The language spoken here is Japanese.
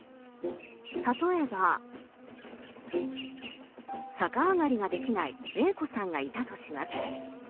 例えば逆上がりができないＡ子さんがいたとします。